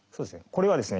これはですね